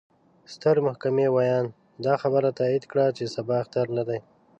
ستر محكمې وياند: دا خبره تايد کړه، چې سبا اختر نه دې.